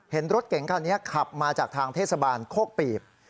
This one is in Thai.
เห็นรถเก๋งคันนี้ขับมาจากทางเทศบาลโคกปีบ